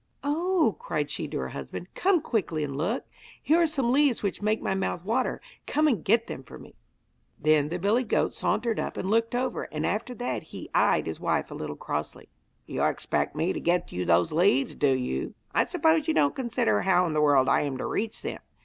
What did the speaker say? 'Oh!' cried she to her husband, 'come quickly and look. Here are some leaves which make my mouth water; come and get them for me!' Then the billy goat sauntered up and looked over, and after that he eyed his wife a little crossly. 'You expect me to get you those leaves, do you? I suppose you don't consider how in the world I am to reach them?